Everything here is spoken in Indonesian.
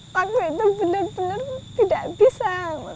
waktu itu benar benar tidak bisa